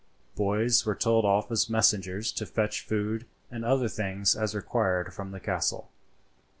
Boys were told off as messengers to fetch food and other things as required from the castle.